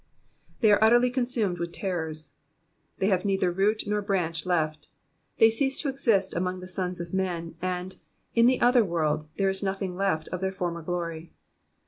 ^^They are utterly consumed with terrors. They have neither root nor branch left. They cease to exist among the sons of men, and, in the other world, there is nothing left of their former glory.